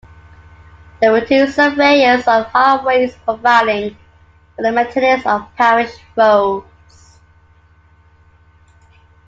There were two surveyors of highways providing for the maintenance of parish roads.